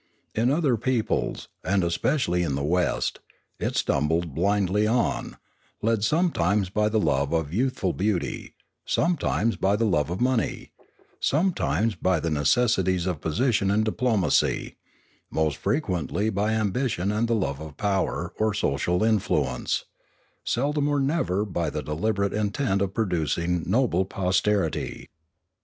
In other peoples, and especially in the West, it stumbled blindly on, led sometimes by the love of youthful beauty, sometimes by the love of money, sometimes by the necessities of position and diplomacy, most frequently by ambition and the love of power or social influence, seldom or never by the deliberate intent of producing noble posterity.